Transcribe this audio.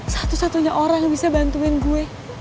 satu satunya orang yang bisa bantuin gue